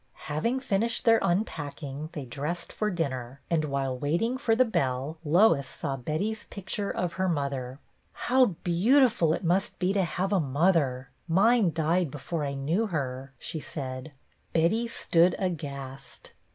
Having finished their unpacking they dressed for dinner, and, while waiting for the bell, Lois saw Betty's picture of her mother. "How beautiful it must be to have a mother! Mine died before I knew her," she said. Betty stood aghast.